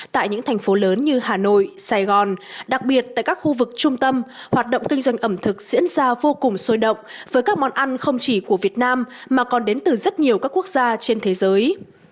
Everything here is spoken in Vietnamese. tại những thành phố lớn như hà nội sài gòn đặc biệt tại các khu vực trung tâm hoạt động kinh doanh ẩm thực diễn ra vô cùng sôi động với các món ăn không chỉ của việt nam mà còn đến từ rất nhiều các quốc gia trên thế giới